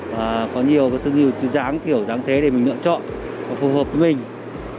và có nhiều kiểu dáng thế để mình lựa chọn và phù hợp với mình